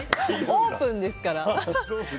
オープンですから。